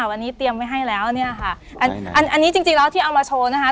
วันนี้เตรียมไว้ให้แล้วเนี่ยค่ะอันนี้จริงแล้วที่เอามาโชว์นะคะ